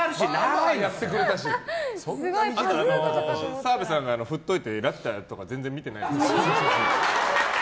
あと澤部さんが振っておいて「ラピュタ」とか全然見てないんですよ。